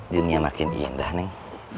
juni makin indah nih